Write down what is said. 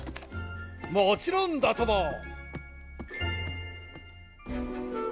もちろんだとも！